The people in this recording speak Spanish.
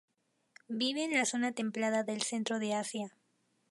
Vive en la zona templada del centro de Asia.